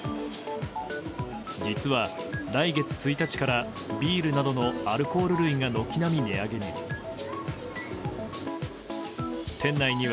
実は来月１日からビールなどのアルコール類が軒並み値上げに。